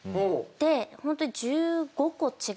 でホントに。